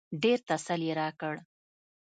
ډېر تسل يې راکړ.